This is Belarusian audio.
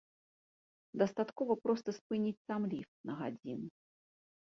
Дастаткова проста спыніць сам ліфт на гадзіну.